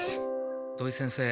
土井先生